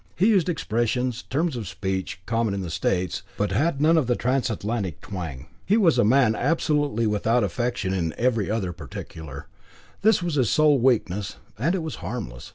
He used expressions, terms of speech common in the States, but had none of the Transatlantic twang. He was a man absolutely without affectation in every other particular; this was his sole weakness, and it was harmless.